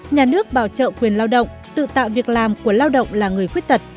một nhà nước bảo trợ quyền lao động tự tạo việc làm của lao động là người khuyết tật